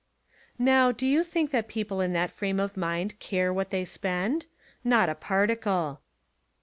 Now, do you think that people in that frame of mind care what they spend? Not a particle.